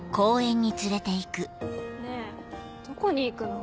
ねぇどこに行くの？